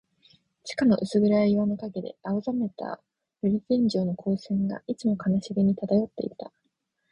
地下の薄暗い岩の影で、青ざめた玻璃天井の光線が、いつも悲しげに漂っていた。